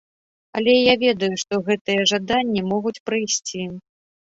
Але я ведаю, што гэтыя жаданні могуць прыйсці.